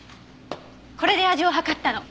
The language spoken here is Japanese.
これで味を測ったの。